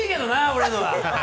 俺のは！